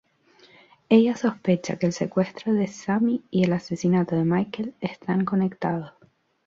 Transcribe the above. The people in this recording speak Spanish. Ella sospecha que el secuestro de Sammy y el asesinato de Michael están conectados.